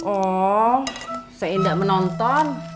oh seindah menonton